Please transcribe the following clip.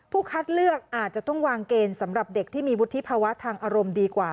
คัดเลือกอาจจะต้องวางเกณฑ์สำหรับเด็กที่มีวุฒิภาวะทางอารมณ์ดีกว่า